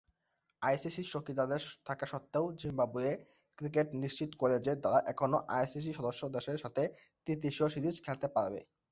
আইসিসির স্থগিতাদেশ থাকা স্বত্ত্বেও জিম্বাবুয়ে ক্রিকেট নিশ্চিত করে যে, তারা এখনও আইসিসি সদস্য দেশের সাথে ত্রি-দেশীয় সিরিজ খেলতে পারবে।